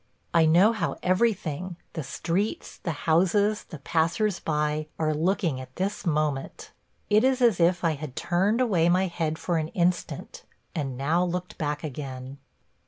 I know how everything – the streets, the houses, the passers by – are looking at this moment. It is as if I had turned away my head for an instant, and now looked back again.